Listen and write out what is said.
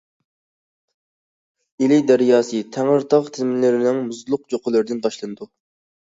ئىلى دەرياسى تەڭرىتاغ تىزمىلىرىنىڭ مۇزلۇق چوققىلىرىدىن باشلىنىدۇ.